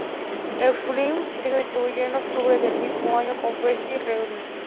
El film se distribuyó en octubre del mismo año por Freestyle Releasing.